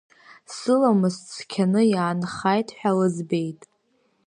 Сыламыс цқьаны иаанхааит ҳәа лыӡбеит.